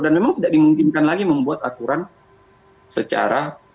dan memang tidak dimungkinkan lagi membuat aturan secara